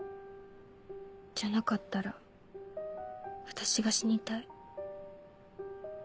じゃなかったら私が死にたい。